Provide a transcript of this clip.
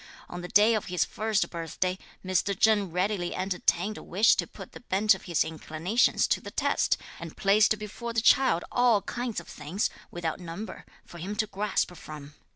On the day of his first birthday, Mr. Cheng readily entertained a wish to put the bent of his inclinations to the test, and placed before the child all kinds of things, without number, for him to grasp from.